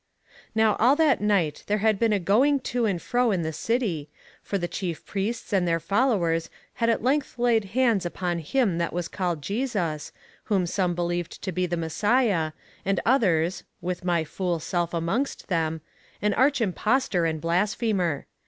"'Now all that night there had been a going to and fro in the city, for the chief priests and their followers had at length laid hands upon him that was called Jesus, whom some believed to be the Messiah, and others, with my fool self amongst them, an arch impostor and blasphemer.